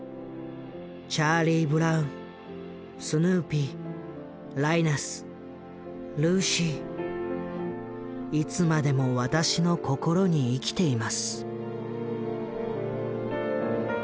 チャーリー・ブラウンスヌーピーライナスルーシーいつまでも私の心に生きています」。